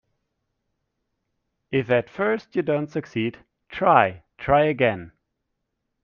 If at first you don't succeed, try, try again.